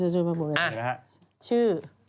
มาเดี๋ยวก่อนตอบต่อ